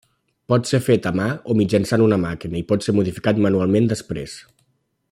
Pot ser fet a mà o mitjançant una màquina, i pot ser modificat manualment després.